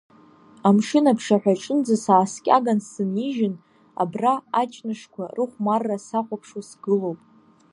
Амшын аԥшаҳәаҿынӡа сааскьаган сынижьын, абра аҷнышқәа рыхәмарра сахәаԥшуа сгылоуп.